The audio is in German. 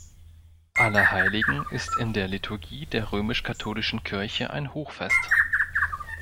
Allerheiligen ist in der Liturgie der römisch-katholischen Kirche ein Hochfest.